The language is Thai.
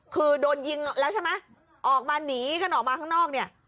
คือโดนยิงแล้วใช่ไหมออกมาหนีกันออกมาข้างนอกเนี่ย